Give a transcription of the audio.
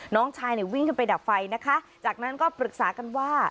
น้องชายเนี่ยวิ่งขึ้นไปดับไฟนะคะจากนั้นก็ปรึกษากันว่า